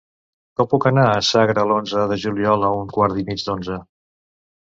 Com puc anar a Sagra l'onze de juliol a un quart i mig d'onze?